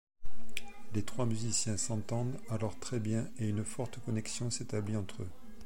Les trois musiciens s'entendent alors très bien et une forte connexion s'établit entre eux.